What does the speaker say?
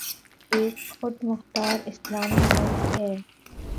ایک خود مختار اسلامی ملک ہے